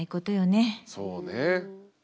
そうね。